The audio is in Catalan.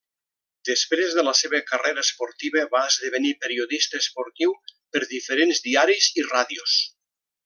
Després de la seva carrera esportiva va esdevenir periodista esportiu per diferents diaris i ràdios.